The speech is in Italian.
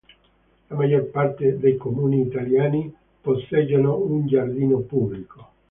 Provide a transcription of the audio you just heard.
La maggior parte dei comuni italiani posseggono un giardino pubblico.